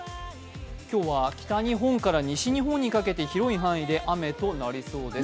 今日は北日本から西日本にかけて広い範囲で雨となりそうです。